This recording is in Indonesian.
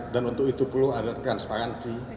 dan untuk itu perlu ada transparansi